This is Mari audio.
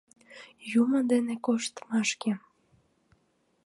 Юмо дене коштмашке...